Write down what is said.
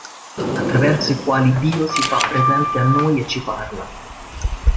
Attraverso i quali Dio si fa presente a noi e ci parla.